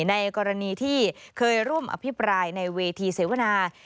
ในกรณีที่เคยร่วมอภิปรายในเวทีเสวนา